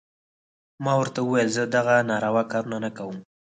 ما ورته وويل زه دغه ناروا کارونه نه کوم.